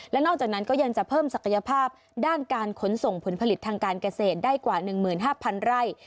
และนอกจากนั้นก็ยังจะเพิ่มศักยภาพด้านการขนส่งผลผลิตทางการเกษตรได้กว่า๑๕๐๐๐ไร่